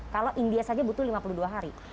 kalau india saja butuh lima puluh dua hari